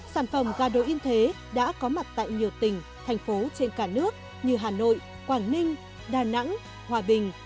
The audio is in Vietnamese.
sản phẩm gà đồ in thế đã có mặt tại nhiều tỉnh thành phố trên cả nước như hà nội quảng ninh đà nẵng hòa bình